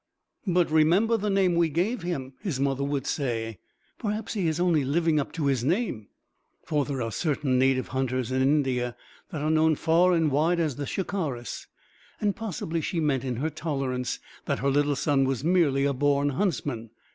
"But remember the name we gave him," his mother would say. "Perhaps he is only living up to his name." For there are certain native hunters in India that are known, far and wide, as the Shikaris; and possibly she meant in her tolerance that her little son was merely a born huntsman.